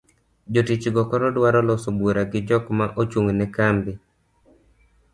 jotich go koro dwaro loso bura gi jok ma ochung'ne kambi